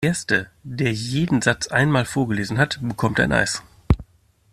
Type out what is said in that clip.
Der erste, der jeden Satz einmal vorgelesen hat, bekommt ein Eis!